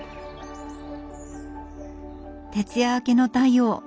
徹夜明けの太陽。